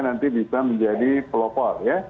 nanti bisa menjadi pelopor